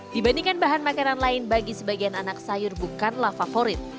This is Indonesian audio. dibandingkan bahan makanan lain bagi sebagian anak sayur bukanlah favorit